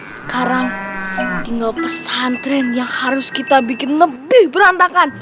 sekarang tinggal pesantren yang harus kita bikin lebih berantakan